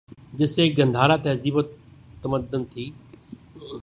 جیسے قندھارا تہذیب و تمدن تھی